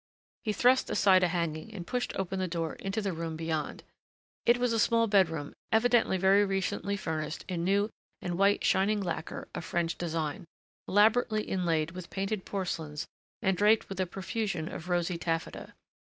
He thrust aside a hanging and pushed open the door into the room beyond. It was a small bedroom evidently very recently furnished in new and white shining lacquer of French design, elaborately inlaid with painted porcelains and draped with a profusion of rosy taffeta.